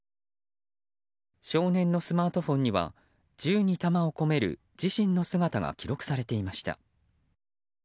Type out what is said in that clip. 少年のスマートフォンには銃に弾を込める自身の姿が記録されていました。